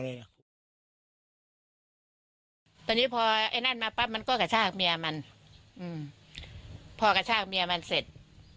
ตอนนี้พอไอ้นั่นมาปั๊บมันก็กระชากเมียมันอืมพอกระชากเมียมันเสร็จ